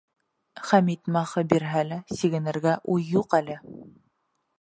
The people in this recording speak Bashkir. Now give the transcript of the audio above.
Хәмит махы бирһә лә, сигенергә уй юҡ әле.